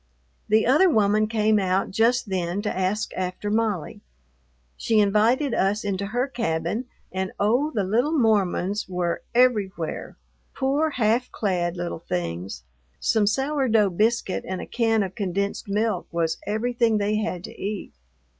The other woman came out just then to ask after Molly. She invited us into her cabin, and, oh, the little Mormons were everywhere; poor, half clad little things! Some sour dough biscuit and a can of condensed milk was everything they had to eat.